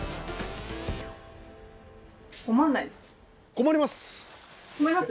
困ります。